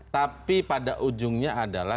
tapi pada ujungnya adalah